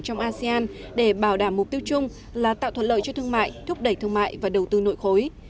trong asean để bảo đảm mục tiêu chung là tạo thuận lợi cho thương mại thúc đẩy thương mại và đầu tư nội khối